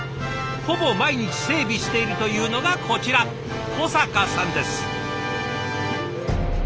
ほぼ毎日整備しているというのがこちら小坂さんです。